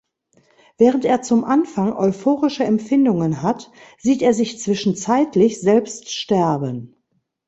Während er zum Anfang euphorische Empfindungen hat, sieht er sich zwischenzeitlich selbst sterben.